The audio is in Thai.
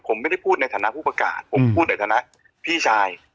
ผมไม่ได้พูดในฐานะผู้ประกาศผมพูดในฐานะพี่ชาย